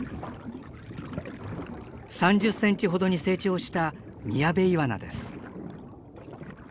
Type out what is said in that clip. ３０センチほどに成長したミヤベイワナです。